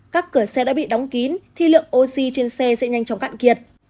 các cửa xe đã bị đóng kín thì lượng oxy trên xe sẽ nhanh chóng cạn kiệt